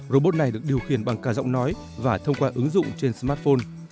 robot này được điều khiển bằng cả giọng nói và thông qua ứng dụng trên smartphone